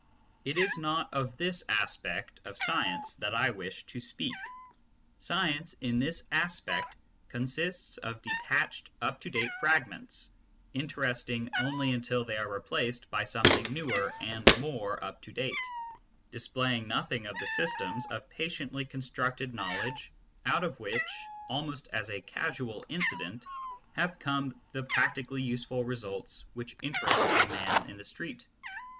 It is not of this aspect of science that I wish to speak. Science, in this aspect, consists of detached up to date fragments, interesting only until they are replaced by something newer and more up to date, displaying nothing of the systems of patiently constructed know ledge out of which, almost as a casual incident, have come the practically useful results which interest the man in the street.